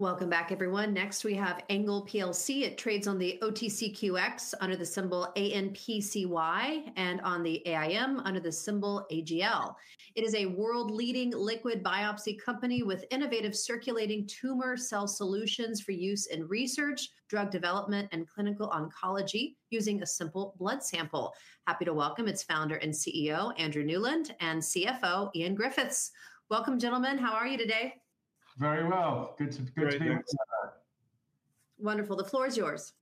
Welcome back, everyone. Next, we have ANGLE plc. It trades on the OTCQX under the symbol ANPCY and on the AIM under the symbol AGL. It is a world-leading liquid biopsy company with innovative circulating tumor cell solutions for use in research, drug development, and clinical oncology using a simple blood sample. Happy to welcome its Founder and CEO, Andrew Newland, and CFO, Ian Griffiths. Welcome, gentlemen. How are you today? Very well. Good to be here. Wonderful. The floor is yours.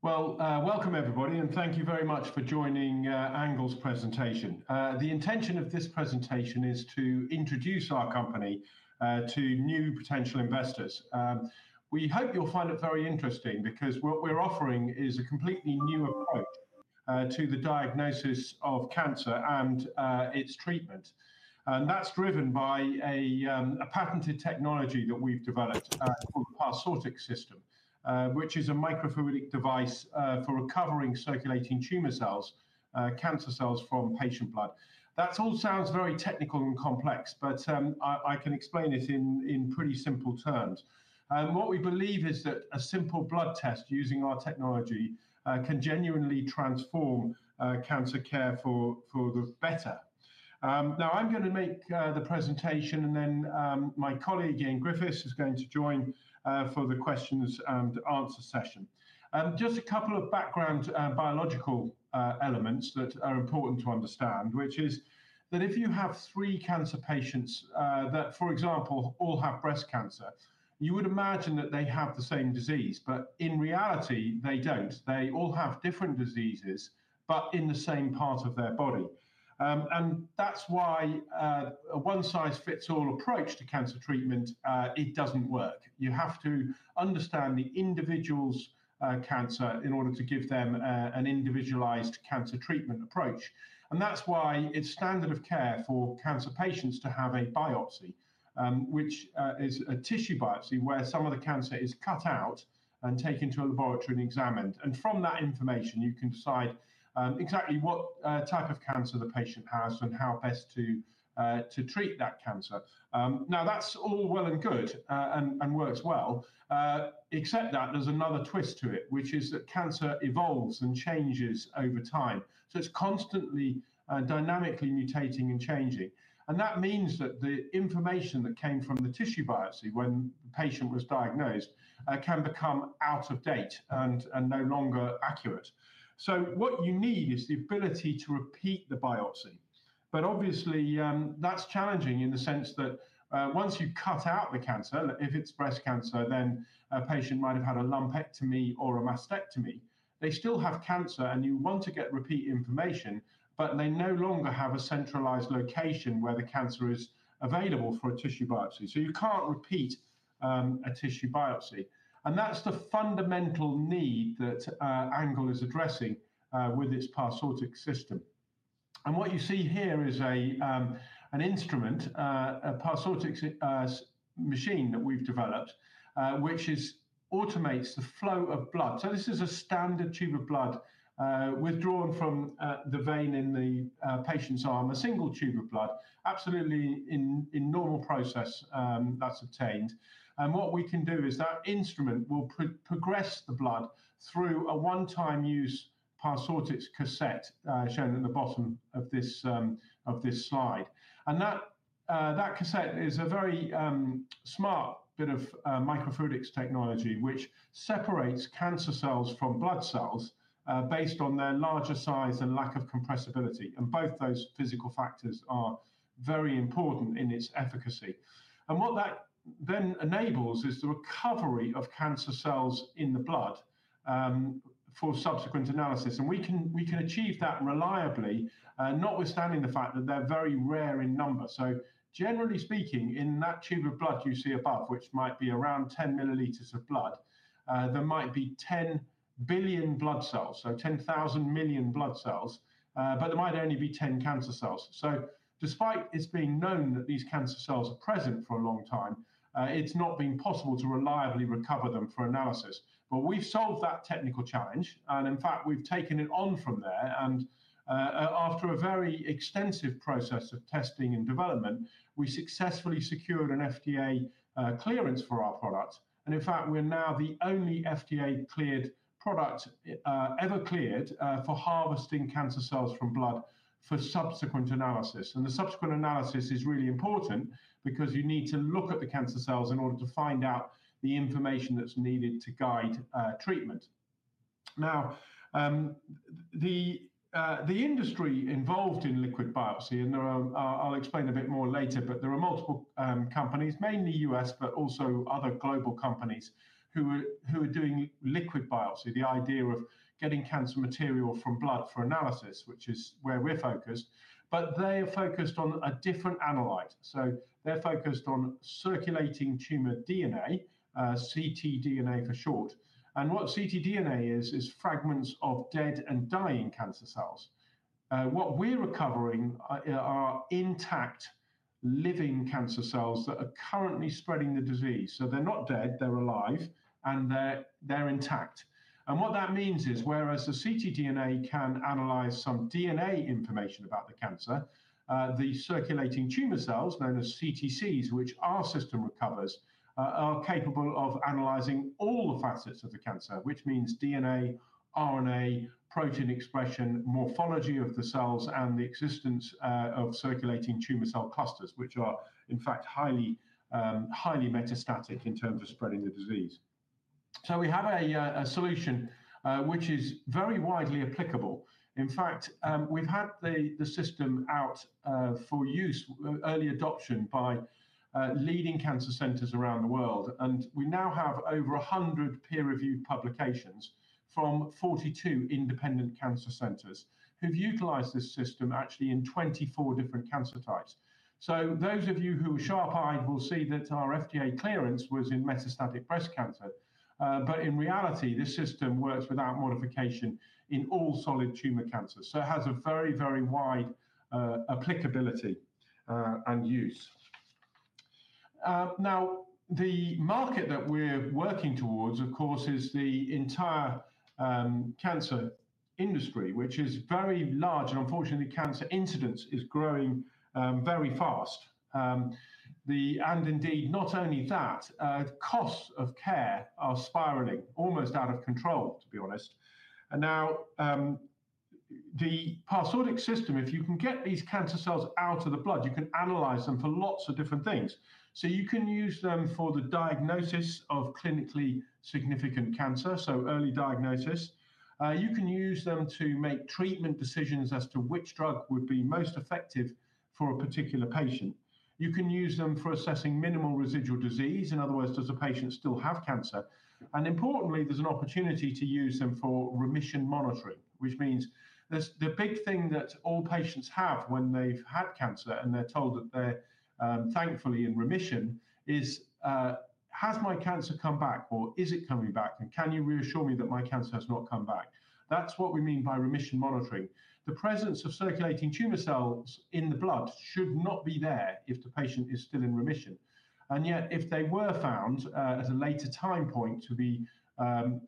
Welcome, everybody, and thank you very much for joining ANGLE's presentation. The intention of this presentation is to introduce our company to new potential investors. We hope you'll find it very interesting because what we're offering is a completely new approach to the diagnosis of cancer and its treatment. That is driven by a patented technology that we've developed called the Parsortix system, which is a microfluidic device for recovering circulating tumor cells, cancer cells from patient blood. That all sounds very technical and complex, but I can explain it in pretty simple terms. What we believe is that a simple blood test using our technology can genuinely transform cancer care for the better. Now, I'm going to make the presentation, and then my colleague Ian Griffiths is going to join for the question and answer session. Just a couple of background biological elements that are important to understand, which is that if you have three cancer patients that, for example, all have breast cancer, you would imagine that they have the same disease, but in reality, they do not. They all have different diseases, but in the same part of their body. That is why a one-size-fits-all approach to cancer treatment does not work. You have to understand the individual's cancer in order to give them an individualized cancer treatment approach. That is why it is standard of care for cancer patients to have a biopsy, which is a tissue biopsy where some of the cancer is cut out and taken to a laboratory and examined. From that information, you can decide exactly what type of cancer the patient has and how best to treat that cancer. Now, that's all well and good and works well, except that there's another twist to it, which is that cancer evolves and changes over time. It's constantly dynamically mutating and changing. That means that the information that came from the tissue biopsy when the patient was diagnosed can become out of date and no longer accurate. What you need is the ability to repeat the biopsy. Obviously, that's challenging in the sense that once you cut out the cancer, if it's breast cancer, then a patient might have had a lumpectomy or a mastectomy, they still have cancer, and you want to get repeat information, but they no longer have a centralized location where the cancer is available for a tissue biopsy. You can't repeat a tissue biopsy. That's the fundamental need that ANGLE is addressing with its Parsortix system. What you see here is an instrument, a Parsortix machine that we've developed, which automates the flow of blood. This is a standard tube of blood withdrawn from the vein in the patient's arm, a single tube of blood, absolutely in normal process that's obtained. What we can do is that instrument will progress the blood through a one-time use Parsortix cassette shown at the bottom of this slide. That cassette is a very smart bit of microfluidics technology, which separates cancer cells from blood cells based on their larger size and lack of compressibility. Both those physical factors are very important in its efficacy. What that then enables is the recovery of cancer cells in the blood for subsequent analysis. We can achieve that reliably, notwithstanding the fact that they're very rare in number. Generally speaking, in that tube of blood you see above, which might be around 10 ml of blood, there might be 10 billion blood cells, so 10,000 million blood cells, but there might only be 10 cancer cells. Despite it being known that these cancer cells are present for a long time, it's not been possible to reliably recover them for analysis. We've solved that technical challenge. In fact, we've taken it on from there. After a very extensive process of testing and development, we successfully secured an FDA clearance for our product. In fact, we're now the only FDA-cleared product ever cleared for harvesting cancer cells from blood for subsequent analysis. The subsequent analysis is really important because you need to look at the cancer cells in order to find out the information that's needed to guide treatment. Now, the industry involved in liquid biopsy, and I'll explain a bit more later, but there are multiple companies, mainly U.S., but also other global companies who are doing liquid biopsy, the idea of getting cancer material from blood for analysis, which is where we're focused. They are focused on a different analyte. They are focused on circulating tumor DNA, ctDNA for short. What ctDNA is, is fragments of dead and dying cancer cells. What we're recovering are intact living cancer cells that are currently spreading the disease. They are not dead. They are alive. They are intact. What that means is, whereas the ctDNA can analyze some DNA information about the cancer, the circulating tumor cells, known as CTCs, which our system recovers, are capable of analyzing all the facets of the cancer, which means DNA, RNA, protein expression, morphology of the cells, and the existence of circulating tumor cell clusters, which are in fact highly metastatic in terms of spreading the disease. We have a solution which is very widely applicable. In fact, we have had the system out for use, early adoption by leading cancer centers around the world. We now have over 100 peer-reviewed publications from 42 independent cancer centers who have utilized this system actually in 24 different cancer types. Those of you who are sharp-eyed will see that our FDA clearance was in metastatic breast cancer. In reality, this system works without modification in all solid tumor cancers. It has a very, very wide applicability and use. Now, the market that we're working towards, of course, is the entire cancer industry, which is very large. Unfortunately, cancer incidence is growing very fast. Indeed, not only that, costs of care are spiraling almost out of control, to be honest. Now, the Parsortix system, if you can get these cancer cells out of the blood, you can analyze them for lots of different things. You can use them for the diagnosis of clinically significant cancer, so early diagnosis. You can use them to make treatment decisions as to which drug would be most effective for a particular patient. You can use them for assessing minimal residual disease. In other words, does the patient still have cancer? Importantly, there's an opportunity to use them for remission monitoring, which means the big thing that all patients have when they've had cancer and they're told that they're thankfully in remission is, has my cancer come back or is it coming back? Can you reassure me that my cancer has not come back? That's what we mean by remission monitoring. The presence of circulating tumor cells in the blood should not be there if the patient is still in remission. Yet, if they were found at a later time point to be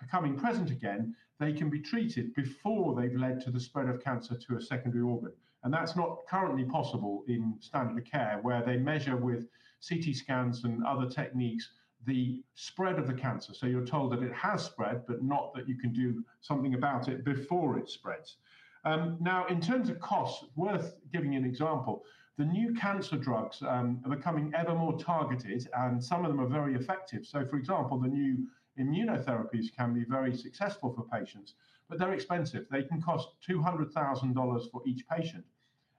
becoming present again, they can be treated before they've led to the spread of cancer to a secondary organ. That's not currently possible in standard of care where they measure with CT scans and other techniques the spread of the cancer. You're told that it has spread, but not that you can do something about it before it spreads. In terms of costs, worth giving an example, the new cancer drugs are becoming ever more targeted, and some of them are very effective. For example, the new immunotherapies can be very successful for patients, but they're expensive. They can cost $200,000 for each patient,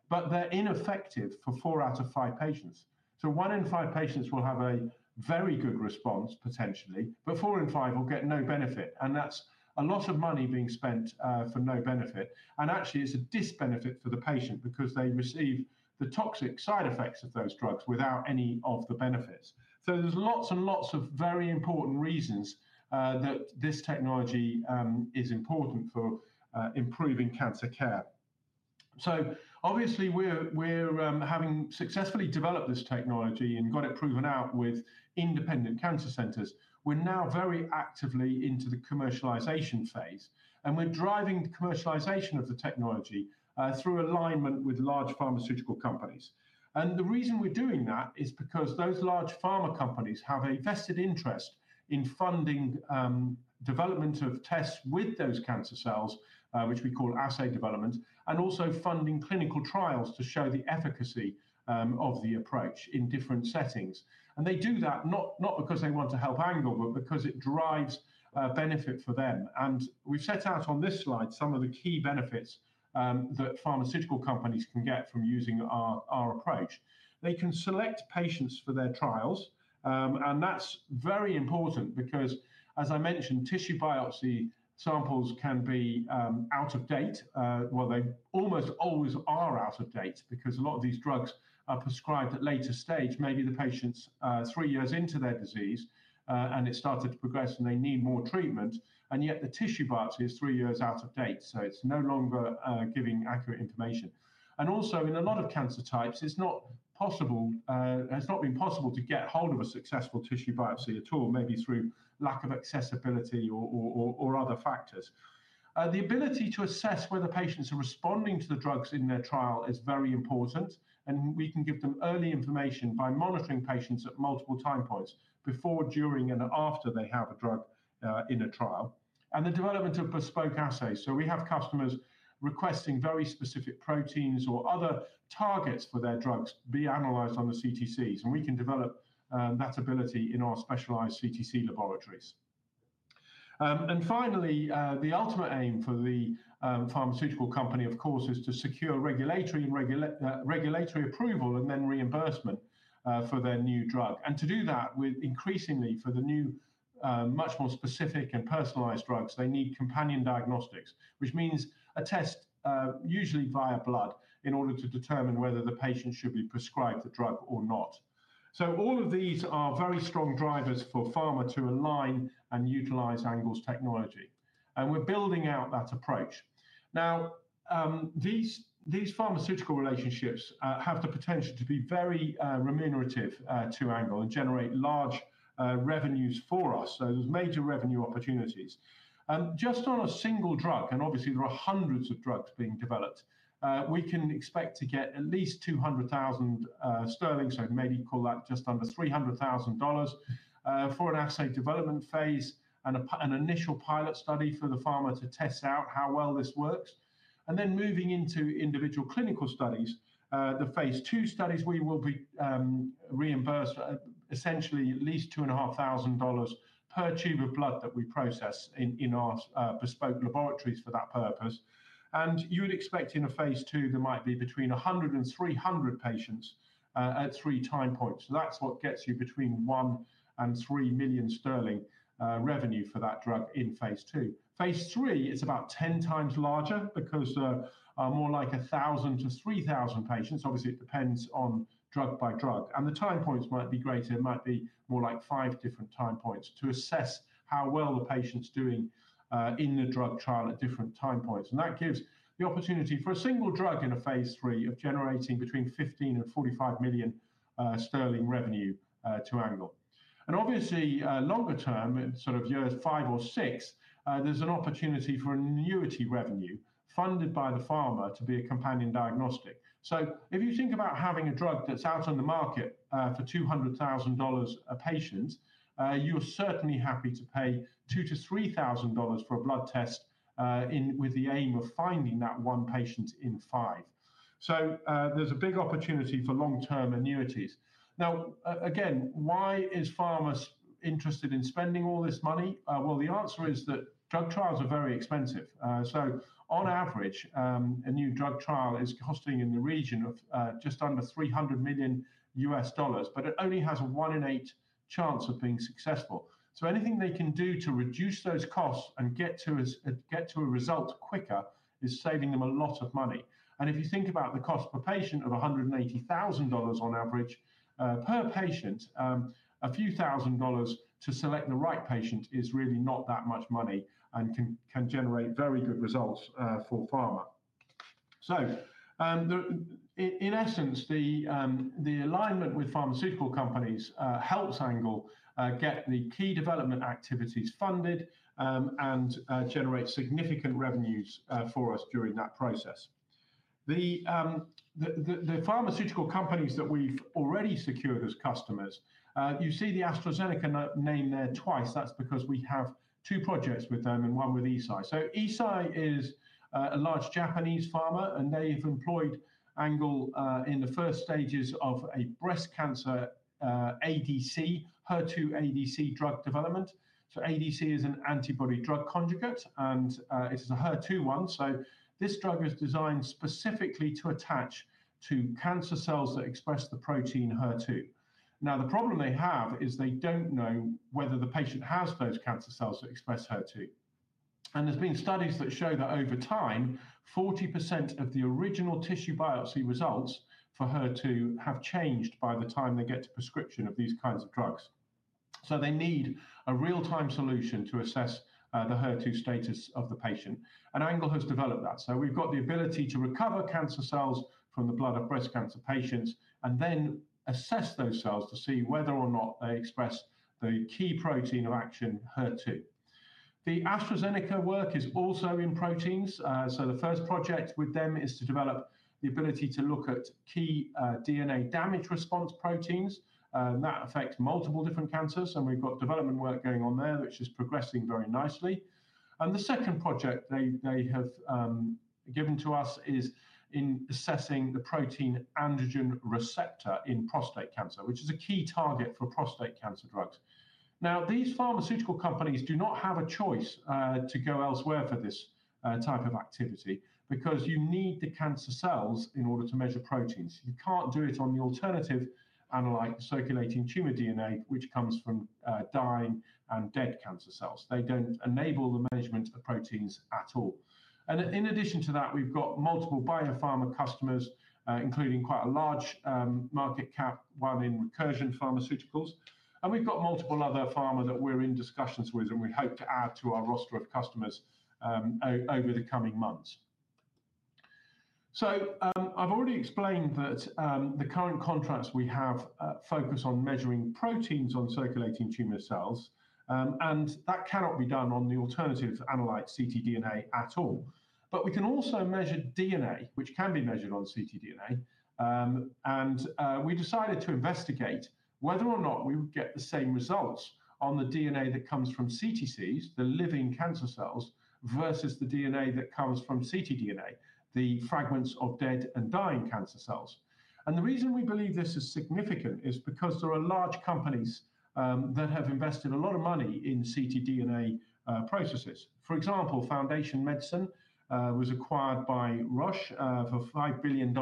but they're ineffective for four out of five patients. One in five patients will have a very good response, potentially, but four in five will get no benefit. That's a lot of money being spent for no benefit. Actually, it's a disbenefit for the patient because they receive the toxic side effects of those drugs without any of the benefits. There are lots and lots of very important reasons that this technology is important for improving cancer care. Obviously, we're having successfully developed this technology and got it proven out with independent cancer centers. We're now very actively into the commercialization phase, and we're driving commercialization of the technology through alignment with large pharmaceutical companies. The reason we're doing that is because those large pharma companies have a vested interest in funding development of tests with those cancer cells, which we call assay development, and also funding clinical trials to show the efficacy of the approach in different settings. They do that not because they want to help ANGLE, but because it drives benefit for them. We've set out on this slide some of the key benefits that pharmaceutical companies can get from using our approach. They can select patients for their trials. That's very important because, as I mentioned, tissue biopsy samples can be out of date. They almost always are out of date because a lot of these drugs are prescribed at a later stage. Maybe the patient's three years into their disease, and it started to progress, and they need more treatment. Yet, the tissue biopsy is three years out of date. It is no longer giving accurate information. Also, in a lot of cancer types, it is not possible; it has not been possible to get hold of a successful tissue biopsy at all, maybe through lack of accessibility or other factors. The ability to assess whether patients are responding to the drugs in their trial is very important. We can give them early information by monitoring patients at multiple time points before, during, and after they have a drug in a trial. The development of bespoke assays. We have customers requesting very specific proteins or other targets for their drugs be analyzed on the CTCs. We can develop that ability in our specialized CTC laboratories. Finally, the ultimate aim for the pharmaceutical company, of course, is to secure regulatory approval and then reimbursement for their new drug. To do that, increasingly for the new, much more specific and personalized drugs, they need companion diagnostics, which means a test usually via blood in order to determine whether the patient should be prescribed the drug or not. All of these are very strong drivers for pharma to align and utilize ANGLE's technology. We are building out that approach. These pharmaceutical relationships have the potential to be very remunerative to ANGLE and generate large revenues for us. There are major revenue opportunities. Just on a single drug, and obviously, there are hundreds of drugs being developed, we can expect to get at least 200,000 sterling, so maybe call that just under $300,000 for an assay development phase and an initial pilot study for the pharma to test out how well this works. Moving into individual clinical studies, the Phase II studies, we will be reimbursed essentially at least $2,500 per tube of blood that we process in our bespoke laboratories for that purpose. You would expect in a Phase II, there might be between 100 and 300 patients at three time points. That is what gets you between 1 million and 3 million sterling revenue for that drug in Phase II. Phase III is about 10x larger because more like 1,000-3,000 patients. Obviously, it depends on drug by drug. The time points might be greater. It might be more like five different time points to assess how well the patient's doing in the drug trial at different time points. That gives the opportunity for a single drug in a Phase III of generating between 15 million and 45 million sterling revenue to ANGLE. Obviously, longer term, sort of year five or six, there's an opportunity for an annuity revenue funded by the pharma to be a companion diagnostic. If you think about having a drug that's out on the market for $200,000 a patient, you're certainly happy to pay $2,000 to $3,000 for a blood test with the aim of finding that one patient in five. There's a big opportunity for long-term annuities. Now, again, why is pharma interested in spending all this money? The answer is that drug trials are very expensive. On average, a new drug trial is costing in the region of just under $300 million, but it only has a one in eight chance of being successful. Anything they can do to reduce those costs and get to a result quicker is saving them a lot of money. If you think about the cost per patient of $180,000 on average per patient, a few thousand dollars to select the right patient is really not that much money and can generate very good results for pharma. In essence, the alignment with pharmaceutical companies helps ANGLE get the key development activities funded and generate significant revenues for us during that process. The pharmaceutical companies that we've already secured as customers, you see the AstraZeneca name there twice. That's because we have two projects with them and one with Eisai. Eisai is a large Japanese pharma, and they have employed ANGLE in the first stages of a breast cancer HER2 ADC drug development. ADC is an antibody drug conjugate, and it's a HER2 one. This drug is designed specifically to attach to cancer cells that express the protein HER2. The problem they have is they don't know whether the patient has those cancer cells that express HER2. There have been studies that show that over time, 40% of the original tissue biopsy results for HER2 have changed by the time they get to prescription of these kinds of drugs. They need a real-time solution to assess the HER2 status of the patient. ANGLE has developed that. We've got the ability to recover cancer cells from the blood of breast cancer patients and then assess those cells to see whether or not they express the key protein of action HER2. The AstraZeneca work is also in proteins. The first project with them is to develop the ability to look at key DNA damage response proteins. That affects multiple different cancers. We've got development work going on there, which is progressing very nicely. The second project they have given to us is in assessing the protein androgen receptor in prostate cancer, which is a key target for prostate cancer drugs. Now, these pharmaceutical companies do not have a choice to go elsewhere for this type of activity because you need the cancer cells in order to measure proteins. You can't do it on the alternative analyzed circulating tumor DNA, which comes from dying and dead cancer cells. They don't enable the management of proteins at all. In addition to that, we've got multiple biopharma customers, including quite a large market cap one in Recursion Pharmaceuticals. We've got multiple other pharma that we're in discussions with, and we hope to add to our roster of customers over the coming months. I've already explained that the current contracts we have focus on measuring proteins on circulating tumor cells, and that cannot be done on the alternative analyzed ctDNA at all. We can also measure DNA, which can be measured on ctDNA. We decided to investigate whether or not we would get the same results on the DNA that comes from CTCs, the living cancer cells, versus the DNA that comes from ctDNA, the fragments of dead and dying cancer cells. The reason we believe this is significant is because there are large companies that have invested a lot of money in ctDNA processes. For example, Foundation Medicine was acquired by Roche for $5 billion.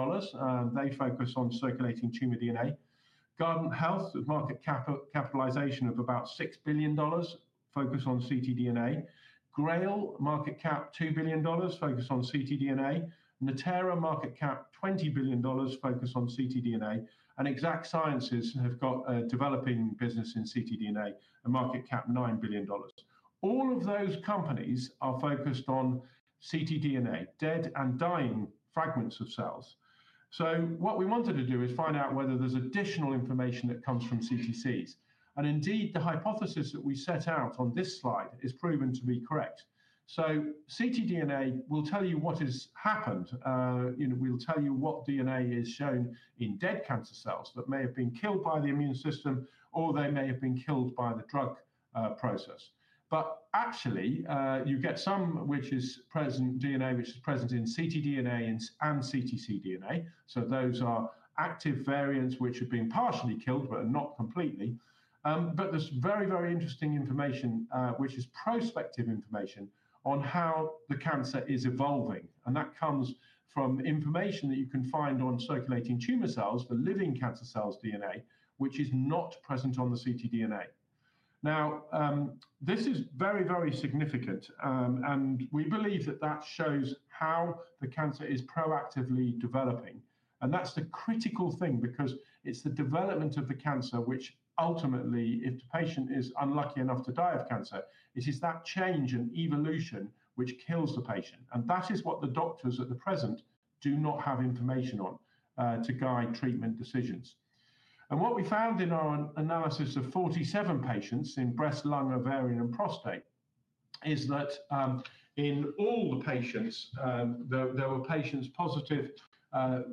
They focus on circulating tumor DNA. Guardant Health with market capitalization of about $6 billion focus on ctDNA. Grail, market cap $2 billion, focus on ctDNA. Natera, market cap $20 billion, focus on ctDNA. Exact Sciences have got a developing business in ctDNA, market cap $9 billion. All of those companies are focused on ctDNA, dead and dying fragments of cells. What we wanted to do is find out whether there's additional information that comes from CTCs. Indeed, the hypothesis that we set out on this slide is proven to be correct. CtDNA will tell you what has happened. We'll tell you what DNA is shown in dead cancer cells that may have been killed by the immune system, or they may have been killed by the drug process. Actually, you get some DNA which is present in ctDNA and CTC DNA. Those are active variants which have been partially killed, but not completely. There's very, very interesting information, which is prospective information on how the cancer is evolving. That comes from information that you can find on circulating tumor cells, the living cancer cells DNA, which is not present on the ctDNA. This is very, very significant. We believe that that shows how the cancer is proactively developing. That is the critical thing because it is the development of the cancer which ultimately, if the patient is unlucky enough to die of cancer, it is that change and evolution which kills the patient. That is what the doctors at the present do not have information on to guide treatment decisions. What we found in our analysis of 47 patients in breast, lung, ovarian, and prostate is that in all the patients, there were patients positive for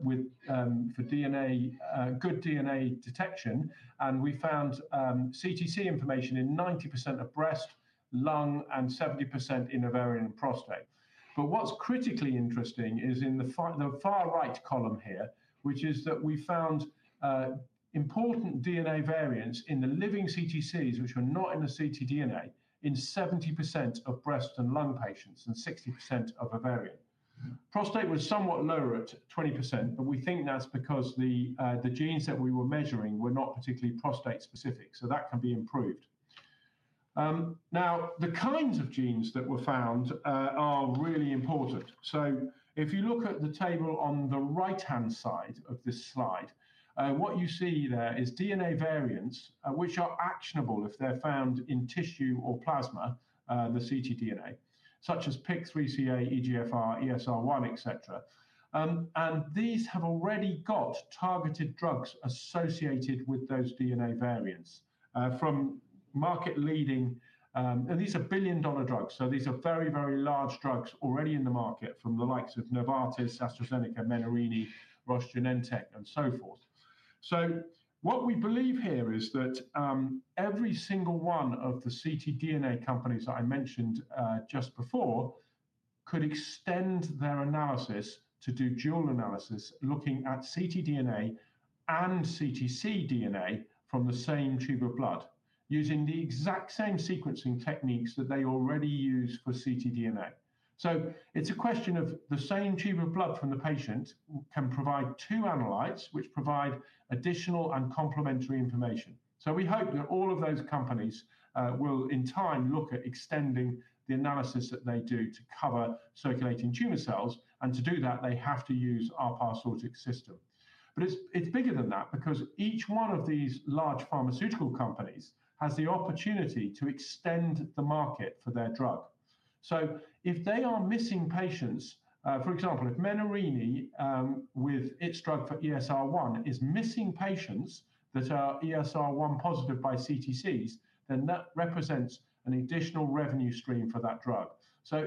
good DNA detection. We found CTC information in 90% of breast, lung, and 70% in ovarian and prostate. What's critically interesting is in the far right column here, which is that we found important DNA variants in the living CTCs, which were not in the ctDNA, in 70% of breast and lung patients and 60% of ovarian. Prostate was somewhat lower at 20%, but we think that's because the genes that we were measuring were not particularly prostate specific. That can be improved. Now, the kinds of genes that were found are really important. If you look at the table on the right-hand side of this slide, what you see there is DNA variants which are actionable if they're found in tissue or plasma, the ctDNA, such as PIK3CA, EGFR, ESR1, etc. These have already got targeted drugs associated with those DNA variants from market-leading, and these are billion-dollar drugs. These are very, very large drugs already in the market from the likes of Novartis, AstraZeneca, Menarini, Roche, Genentech, and so forth. What we believe here is that every single one of the ctDNA companies that I mentioned just before could extend their analysis to do dual analysis looking at ctDNA and CTC DNA from the same tube of blood using the exact same sequencing techniques that they already use for ctDNA. It is a question of the same tube of blood from the patient providing two analytes which provide additional and complementary information. We hope that all of those companies will, in time, look at extending the analysis that they do to cover circulating tumor cells. To do that, they have to use our Parsortix system. It is bigger than that because each one of these large pharmaceutical companies has the opportunity to extend the market for their drug. If they are missing patients, for example, if Menarini with its drug for ESR1 is missing patients that are ESR1 positive by CTCs, then that represents an additional revenue stream for that drug.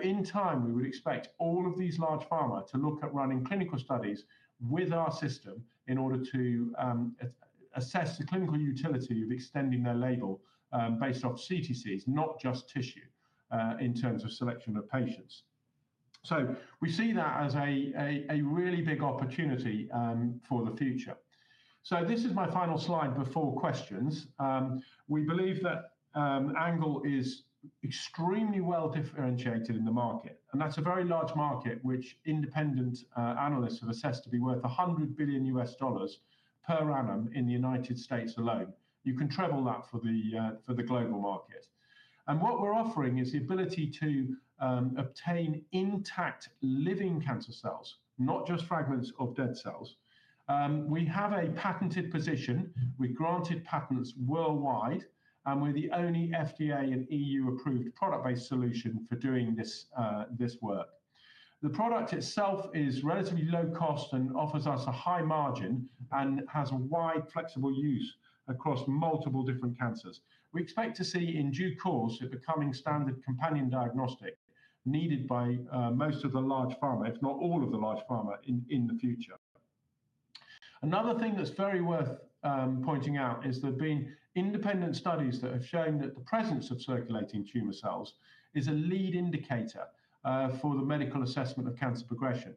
In time, we would expect all of these large pharma to look at running clinical studies with our system in order to assess the clinical utility of extending their label based off CTCs, not just tissue in terms of selection of patients. We see that as a really big opportunity for the future. This is my final slide before questions. We believe that ANGLE is extremely well differentiated in the market. That's a very large market which independent analysts have assessed to be worth $100 billion per annum in the United States alone. You can travel that for the global market. What we're offering is the ability to obtain intact living cancer cells, not just fragments of dead cells. We have a patented position. We've granted patents worldwide. We're the only FDA and EU-approved product-based solution for doing this work. The product itself is relatively low cost and offers us a high margin and has a wide flexible use across multiple different cancers. We expect to see in due course it becoming standard companion diagnostic needed by most of the large pharma, if not all of the large pharma in the future. Another thing that's very worth pointing out is there have been independent studies that have shown that the presence of circulating tumor cells is a lead indicator for the medical assessment of cancer progression.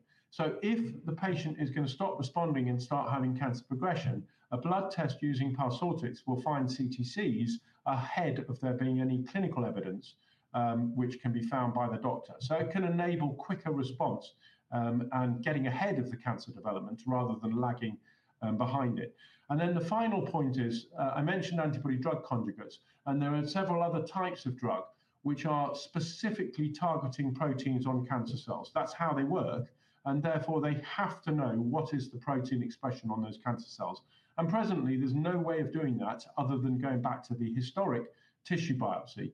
If the patient is going to stop responding and start having cancer progression, a blood test using Parsortix will find CTCs ahead of there being any clinical evidence which can be found by the doctor. It can enable quicker response and getting ahead of the cancer development rather than lagging behind it. The final point is I mentioned antibody drug conjugates. There are several other types of drug which are specifically targeting proteins on cancer cells. That's how they work. Therefore, they have to know what is the protein expression on those cancer cells. Presently, there's no way of doing that other than going back to the historic tissue biopsy,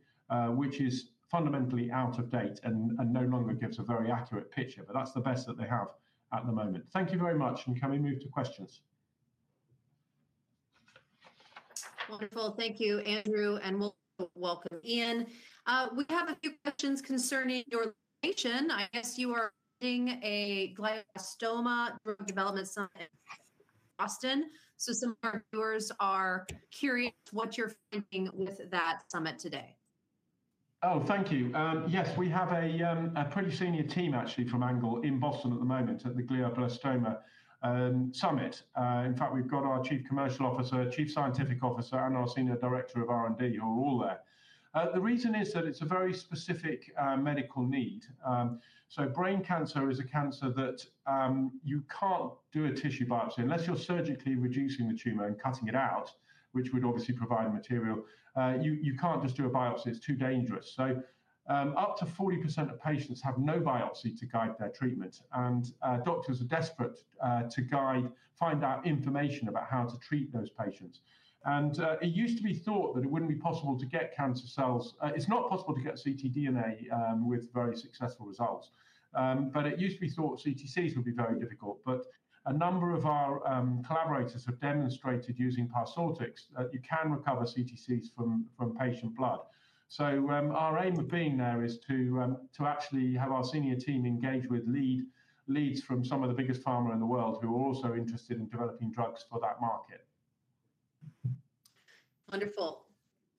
which is fundamentally out of date and no longer gives a very accurate picture. That's the best that they have at the moment. Thank you very much. Can we move to questions? Wonderful. Thank you, Andrew. We welcome Ian. We have a few questions concerning your location. I guess you are running a Glioblastoma Drug Development Summit in Boston. Some of our viewers are curious what you are finding with that summit today. Oh, thank you. Yes, we have a pretty senior team, actually, from ANGLE in Boston at the moment at the Glioblastoma Summit. In fact, we've got our Chief Commercial Officer, Chief Scientific Officer, and our Senior Director of R&D who are all there. The reason is that it's a very specific medical need. Brain cancer is a cancer that you can't do a tissue biopsy unless you're surgically reducing the tumor and cutting it out, which would obviously provide material. You can't just do a biopsy. It's too dangerous. Up to 40% of patients have no biopsy to guide their treatment. Doctors are desperate to find out information about how to treat those patients. It used to be thought that it wouldn't be possible to get cancer cells. It's not possible to get ctDNA with very successful results. It used to be thought CTCs would be very difficult. A number of our collaborators have demonstrated using Parsortix that you can recover CTCs from patient blood. Our aim of being there is to actually have our senior team engage with leads from some of the biggest pharma in the world who are also interested in developing drugs for that market. Wonderful.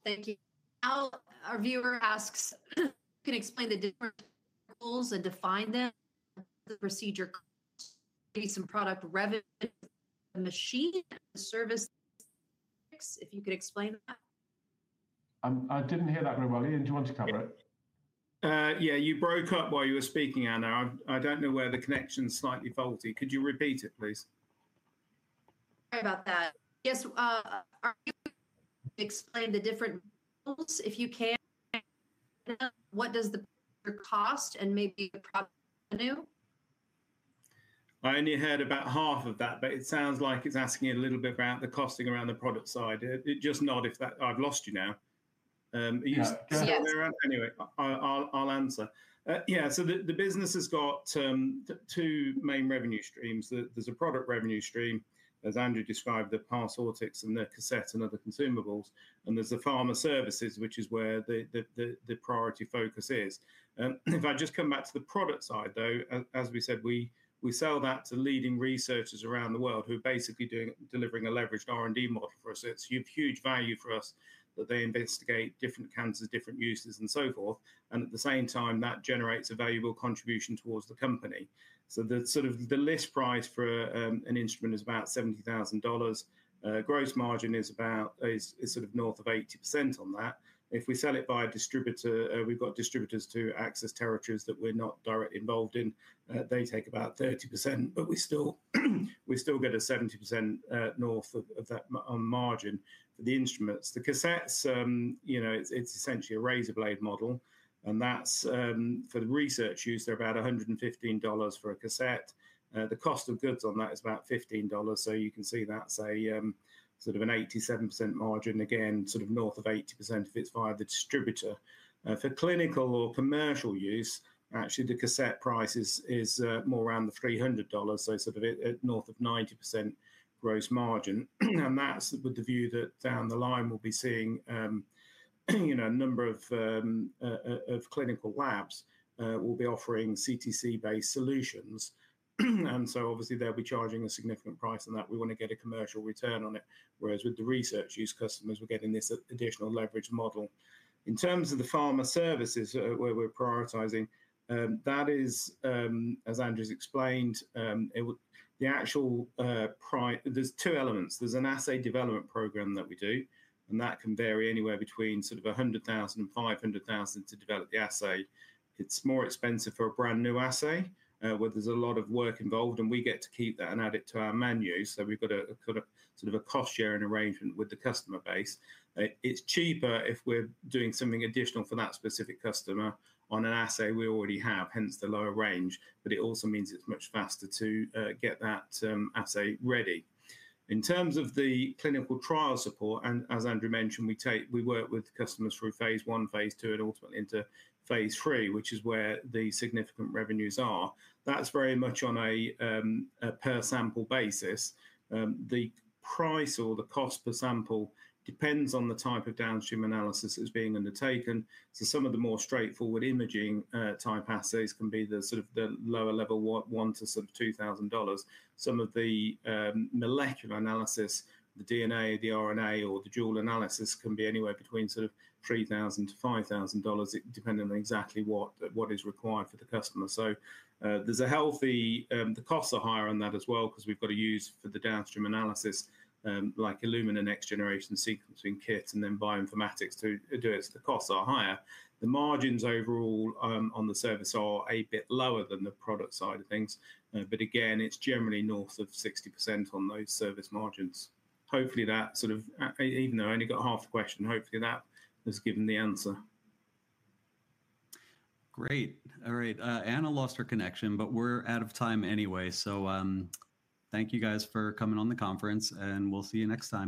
Thank you. Our viewer asks, can you explain the different goals and define them? The procedure costs, maybe some product revenue, the machine, and the service? If you could explain that. I didn't hear that very well. Ian, do you want to cover it? Yeah, you broke up while you were speaking, Anna. I don't know where the connection's slightly faulty. Could you repeat it, please? Sorry about that. Yes, are you able to explain the different goals? If you can, what does the cost and maybe the revenue? I only heard about half of that, but it sounds like it's asking a little bit about the costing around the product side. Just nod if I've lost you now. Yes. Anyway, I'll answer. Yeah, so the business has got two main revenue streams. There's a product revenue stream, as Andrew described, the Parsortix and the cassette and other consumables. There's the pharma services, which is where the priority focus is. If I just come back to the product side, though, as we said, we sell that to leading researchers around the world who are basically delivering a leveraged R&D model for us. It's huge value for us that they investigate different cancers, different uses, and so forth. At the same time, that generates a valuable contribution towards the company. The list price for an instrument is about $70,000. Gross margin is sort of north of 80% on that. If we sell it by a distributor, we've got distributors to access territories that we're not directly involved in. They take about 30%. We still get a 70% north of that margin for the instruments. The cassettes, it's essentially a razor blade model. For the research use, they're about $115 for a cassette. The cost of goods on that is about $15. You can see that's sort of an 87% margin, again, sort of north of 80% if it's via the distributor. For clinical or commercial use, actually, the cassette price is more around the $300, so sort of north of 90% gross margin. That's with the view that down the line, we'll be seeing a number of clinical labs will be offering CTC-based solutions. Obviously, they'll be charging a significant price on that. We want to get a commercial return on it. Whereas with the research use customers, we're getting this additional leveraged model. In terms of the pharma services where we're prioritizing, that is, as Andrew's explained, the actual price, there's two elements. There's an assay development program that we do. That can vary anywhere between 100,000 to 500,000 to develop the assay. It's more expensive for a brand new assay where there's a lot of work involved. We get to keep that and add it to our menu. We've got a cost-sharing arrangement with the customer base. It's cheaper if we're doing something additional for that specific customer on an assay we already have, hence the lower range. It also means it's much faster to get that assay ready. In terms of the clinical trial support, and as Andrew mentioned, we work with customers through Phase I, Phase II, and ultimately into Phase III, which is where the significant revenues are. That's very much on a per-sample basis. The price or the cost per sample depends on the type of downstream analysis that's being undertaken. Some of the more straightforward imaging-type assays can be the sort of lower-level, one to sort of $2,000. Some of the molecular analysis, the DNA, the RNA, or the dual analysis can be anywhere between $3,000 to $5,000, depending on exactly what is required for the customer. The costs are higher on that as well because we've got to use for the downstream analysis, like Illumina next-generation sequencing kits and then bioinformatics to do it. The costs are higher. The margins overall on the service are a bit lower than the product side of things. Again, it's generally north of 60% on those service margins. Hopefully, that sort of, even though I only got half the question, hopefully, that has given the answer. Great. All right. Anna lost her connection, but we're out of time anyway. Thank you guys for coming on the conference. We'll see you next time.